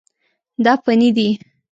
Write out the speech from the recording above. دا فني دي.